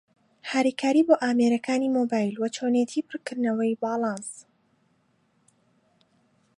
هاریکارى بۆ ئامێرەکانى مۆبایل و چۆنیەتى پڕکردنەوەى باڵانس